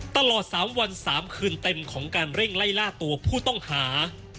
ตลอด๓วัน๓คืนเต็มของการเร่งไล่ล่าตัวผู้ต้องหา